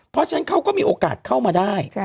เพราะฉะนั้นเขาก็มีโอกาสเข้ามาได้